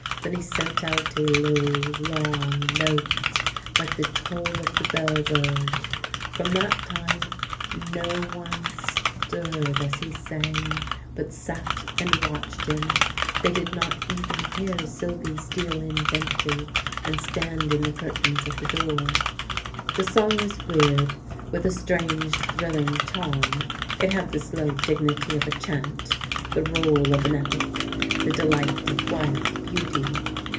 Then he sent out a low long note, like the toll of the bell bird. From that time no one stirred as he sang, but sat and watched him. They did not even hear Sylvie steal in gently and stand in the cur tains at the door. The song was weird, with a strange thrilling charm ; it had the slow dignity of a chant, the roll of an epic, the delight of wild beauty.